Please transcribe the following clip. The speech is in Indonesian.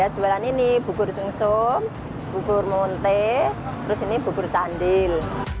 jualan ini bubur sum sum bubur muntik terus ini bubur candil